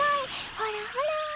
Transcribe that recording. ほらほら。